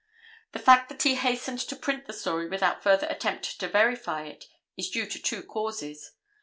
The fact that he hastened to print the story without further attempt to verify it, is due to two causes.